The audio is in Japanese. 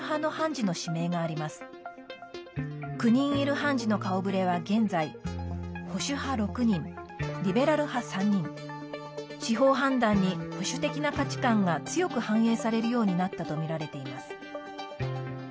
９人いる判事の顔ぶれは現在保守派６人、リベラル派３人司法判断に保守的な価値観が強く反映されるようになったとみられています。